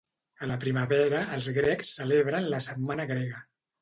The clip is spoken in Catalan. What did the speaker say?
A la primavera, els grecs celebren la "Setmana Grega".